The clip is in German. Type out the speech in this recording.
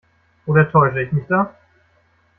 Oder täusche ich mich da?